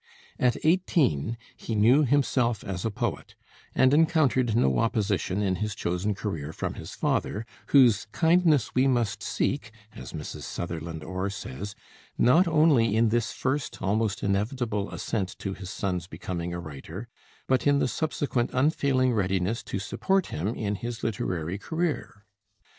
At eighteen he knew himself as a poet, and encountered no opposition in his chosen career from his father, whose "kindness we must seek," as Mrs. Sutherland Orr says, "not only in this first, almost inevitable assent to his son's becoming a writer, but in the subsequent unfailing readiness to support him in his literary career.